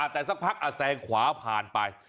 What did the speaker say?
แต่สักพักแซงขวาผ่านไป